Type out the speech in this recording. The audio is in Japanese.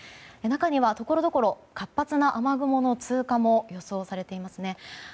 中にはところどころ活発な雨雲の通貨も予想されていますね。